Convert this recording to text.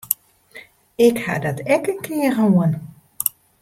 Ik ha dat ek in kear hân.